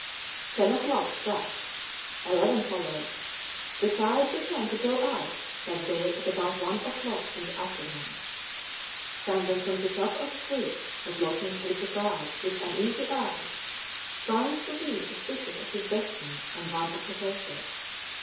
Ten o'clock struck. Eleven followed. The tide began to go out that day at about one o'clock in the afternoon. Shandon from the top of the poop was looking at the crowd with uneasy eyes, trying to read the secret of his destiny on one of the faces.